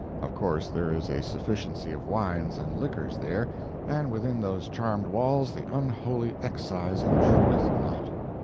Of course there is a sufficiency of wines and liquors there, and within those charmed walls the unholy excise intrudeth not.